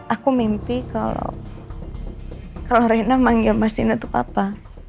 aku mimpi kalau kalau reina manggil mas tino tuh papa